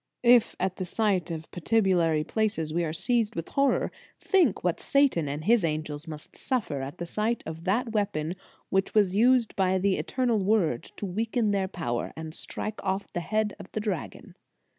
If at the sight of patibulary places we are seized with horror, think what Satan and his angels must suffer at the sight of that weapon which was used by the Eternal Word to weaken their power, and strike off the head of the dragon."